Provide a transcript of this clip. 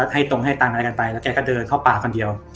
ตรงให้ตังค์อะไรกันไปแล้วแกก็เดินเข้าป่าคนเดียว